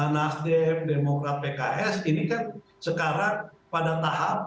nasdem demokrat pks ini kan sekarang pada tahap